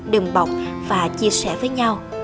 đừng bọc và chia sẻ với nhau